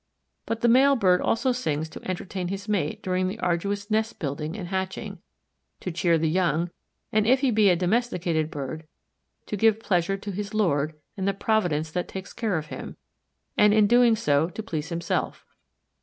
But the male bird also sings to entertain his mate during the arduous nest building and hatching, to cheer the young and, if he be a domesticated bird, to give pleasure to his lord and the Providence that takes care of him, and in doing so to please himself.